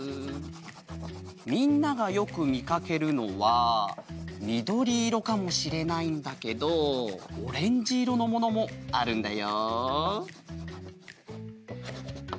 みんながよくみかけるのはみどりいろかもしれないんだけどオレンジいろのものもあるんだよ。